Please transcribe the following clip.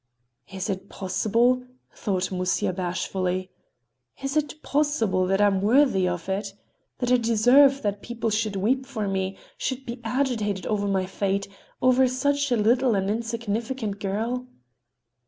"Is it possible?" thought Musya bashfully. "Is it possible that I am worthy of it? That I deserve that people should weep for me, should be agitated over my fate, over such a little and insignificant girl?"